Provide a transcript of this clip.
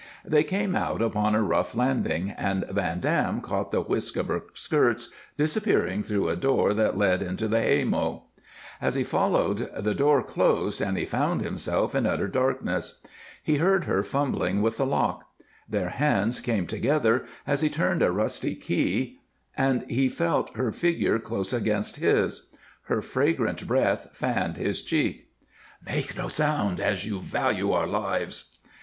They came out upon a rough landing, and Van Dam caught the whisk of her skirts disappearing through a door that led into the haymow. As he followed, the door closed and he found himself in utter darkness. He heard her fumbling with the lock. Their hands came together as he turned a rusty key and he felt her figure close against his; her fragrant breath fanned his cheek. "Make no sound, as you value our lives."